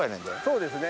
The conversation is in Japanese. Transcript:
そうですね。